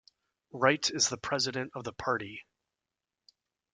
Wright is the president of the party.